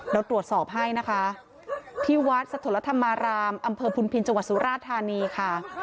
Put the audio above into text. เราตรวจสอบให้นะคะที่วัดสถลธรรมารามอำเภอพุนพินจังหวัดสุราธานีค่ะ